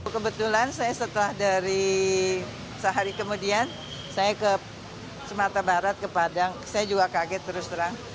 kebetulan saya setelah dari sehari kemudian saya ke sumatera barat ke padang saya juga kaget terus terang